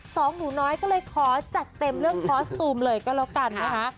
สองหนูน้อยก็เลยขอจัดเต็มเรื่องคอสตูมเลยก็แล้วกันนะคะ